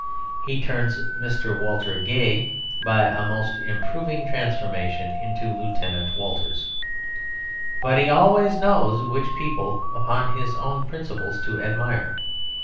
He turns Mr. Walter Gay, by a most improving transformation, into "Lieutenant Walters." But he always knows which people upon his own principles to admire.